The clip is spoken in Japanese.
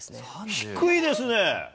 低いですね。